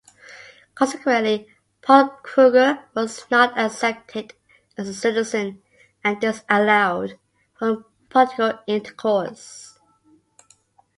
Consequently, Paul Kruger was not accepted as a citizen and disallowed from political intercourse.